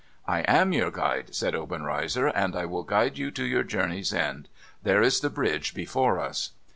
' I am your Guide,' said Obenreizer, * and I will guide you to your journey's end. There is the Bridge before us.'